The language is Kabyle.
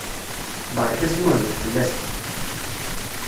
Berka asmuhbel fell-asen!